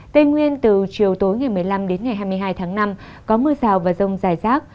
tây nguyên từ chiều tối ngày một mươi năm đến ngày hai mươi hai tháng năm có mưa rào và rông dài rác